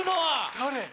誰？